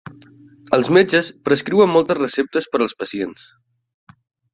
Els metges prescriuen moltes receptes per als pacients